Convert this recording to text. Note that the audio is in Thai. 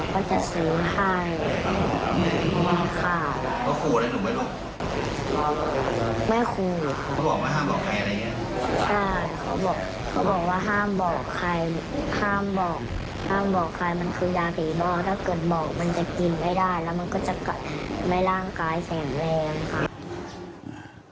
พ่อบอกว่าบ้านลุงมีของนั้นมีของเล่นเยอะแต่ลุงอยากได้อะไรก็จะซื้อให้